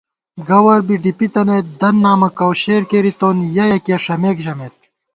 گوَر بی ڈِپِی تنَئیت دن نامہ کوشېر کېرِتون یَہ یَکِیہ ݭمېک ژمېت